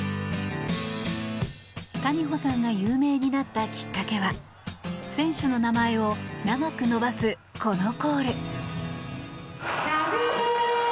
谷保さんが有名になったきっかけは選手の名前を長く伸ばすこのコール。